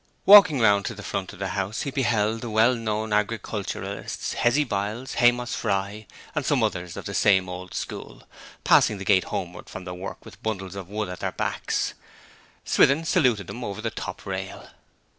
Walking round to the front of the house he beheld the well known agriculturists Hezzy Biles, Haymoss Fry, and some others of the same old school, passing the gate homeward from their work with bundles of wood at their backs. Swithin saluted them over the top rail.